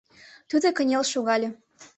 — Тудо кынел шогале.